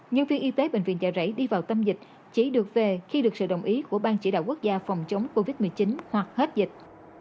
nhân viên y tế bệnh viện chợ rẫy đi vào tâm dịch chỉ được về khi được sự đồng ý của ban chỉ đạo quốc gia phòng chống covid một mươi chín hoặc hết dịch